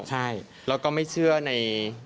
ใช่แล้วก็ไม่เชื่อใน